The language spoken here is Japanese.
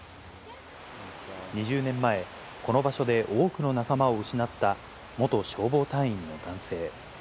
２０年前、この場所で多くの仲間を失った元消防隊員の男性。